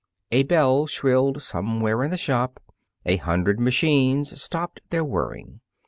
A bell shrilled somewhere in the shop. A hundred machines stopped their whirring.